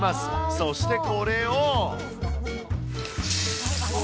そしてこれを。